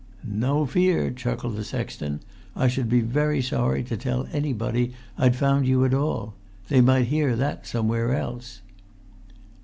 "No fear," chuckled the sexton. "I should be very sorry to tell anybody I'd found you at all. They might hear o' that somewhere else!"